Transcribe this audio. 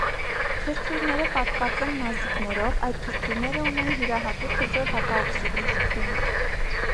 Թրթուրները պատված եմ մազիկներով, այդ թրթուրները ունեն յուրահատուկ հզոր հակաօքսիդիչ թույն։